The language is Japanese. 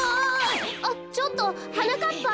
あっちょっとはなかっぱ！